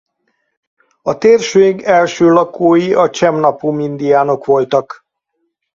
A térség első lakói a chemnapum indiánok voltak.